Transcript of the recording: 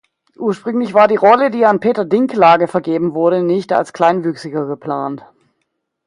Ursprünglich war die Rolle, die an Peter Dinklage vergeben wurde, nicht als Kleinwüchsiger geplant.